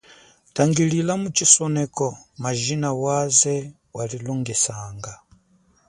Tangilila mu chisoneko majina waze walilongesanga.